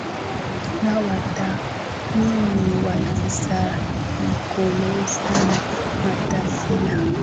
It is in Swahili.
na watathmini wa kisaikoloji na watafiti wa